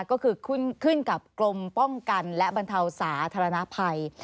ก็คือขึ้นกับกรมป้องกันและบรรเทาสาธารณภัย